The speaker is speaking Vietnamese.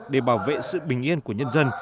để bảo vệ sự bình yên của nhân dân